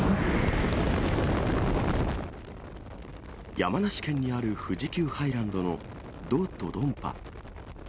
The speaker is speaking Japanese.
山梨県にある富士急ハイランドのド・ドドンパ。